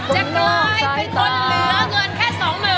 จะกลายเป็นคนเหลือเงินแค่๒๐๐๐